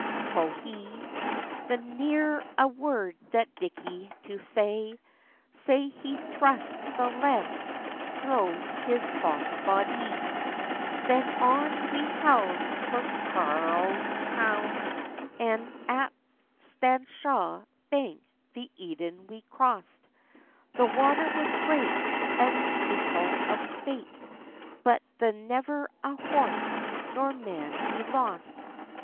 quo he; The neer a word had Dickie to say, Sae he thrust the lance thro his fause bodie. Then on we held for Carlisle toun, And at Staneshaw bank the Eden we crossd; The water was great and meikle of spait, But the nevir a horse nor man we lost.